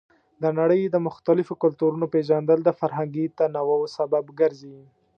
د نړۍ د مختلفو کلتورونو پیژندل د فرهنګي تنوع سبب ګرځي.